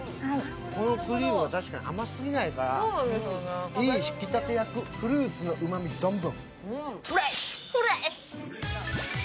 このクリームは確かに甘すぎないから、いい引き立て役、フルーツのうまみ存分。